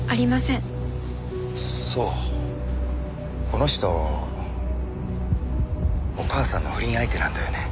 この人お母さんの不倫相手なんだよね。